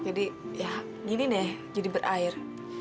jadi ya gini deh jadi berair